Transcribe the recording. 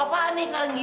apaan sih lu ki